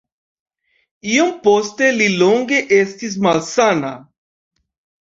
Iom poste li longe estis malsana.